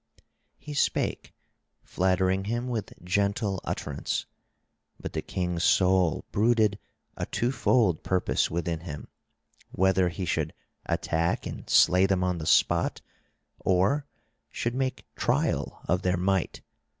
He spake, flattering him with gentle utterance; but the king's soul brooded a twofold purpose within him, whether he should attack and slay them on the spot or should make trial of their might.